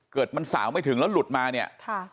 เกิดมันสาวไม่ถึงแล้วหลุดมาเนี่ย